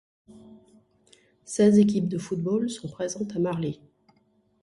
Seize équipes de football sont présentes à Marly.